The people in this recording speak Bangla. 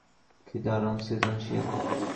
কী দারুণ সৃজনশীল!